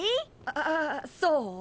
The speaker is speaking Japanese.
ああそう？